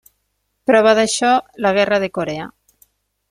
Prova d’això la Guerra de Corea.